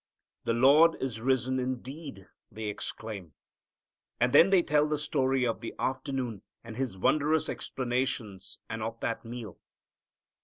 "The Lord is risen indeed," they exclaim. And then they tell the story of the afternoon and His wondrous explanation and of that meal.